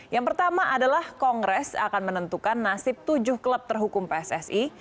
yang pertama adalah kongres akan menentukan nasib tujuh klub terhukum pssi